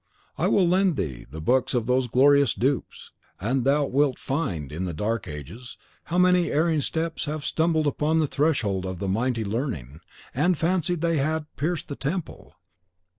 I will lend thee the books of those glorious dupes, and thou wilt find, in the dark ages, how many erring steps have stumbled upon the threshold of the mighty learning, and fancied they had pierced the temple.